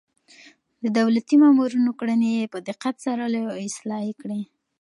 د دولتي مامورينو کړنې يې په دقت څارلې او اصلاح يې کړې.